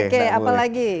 oke apa lagi